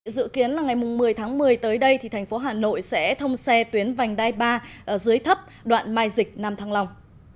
dự kiến là ngày một mươi tháng một mươi tới đây thì thành phố hà nội sẽ thông xe tuyến vành đai ba dưới thấp đoạn mai dịch nam thăng long